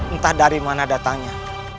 entah dari mana datangnya